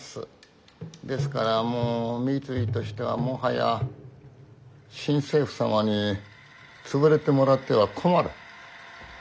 ですからもう三井としてはもはや新政府様に潰れてもらっては困る。